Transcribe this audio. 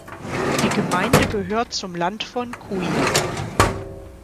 Die Gemeinde gehört zum Land von Cuijk.